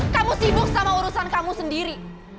kamu sibuk sama urusan kamu sendiri